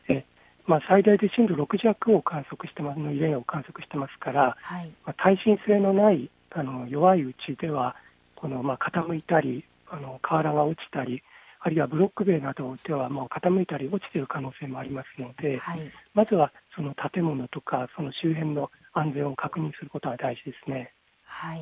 最大で震度６弱を観測しているので耐震性のない弱い家では傾いたり、瓦が落ちたりあるいはブロック塀などが傾いたり落ちている可能性もありますのでまずは建物とか周辺の安全を確認することが大事ですね。